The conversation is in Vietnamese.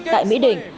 tại mỹ đình